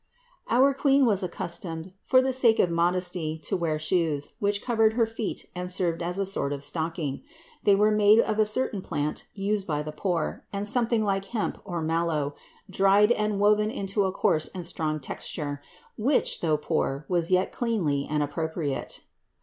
Our Queen was accustomed, for the sake of modesty, to wear shoes, which covered her feet and served as a sort of stocking. They were made of a certain plant used by the poor and something like hemp or mallow, dried and woven into a coarse and strong texture, which, though poor, was yet cleanly and ap propriate.